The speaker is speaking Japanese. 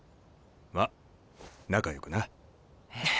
まっ仲よくな。